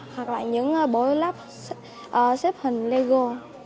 hoặc là những bộ lắp xếp hình lego